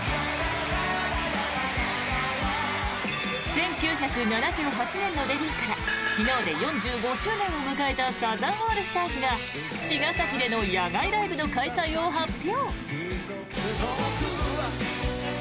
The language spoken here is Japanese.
１９７８年のデビューから昨日で４５周年を迎えたサザンオールスターズが茅ヶ崎での野外ライブの開催を発表！